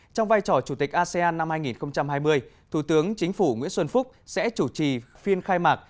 trong vai trò chủ tịch asean năm hai nghìn hai mươi thủ tướng chính phủ nguyễn xuân phúc sẽ chủ trì phiên khai mạc